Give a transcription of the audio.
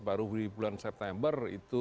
baru di bulan september